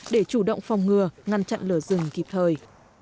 để chủ động phòng ngừa ngăn chặn lửa rừng kịp thời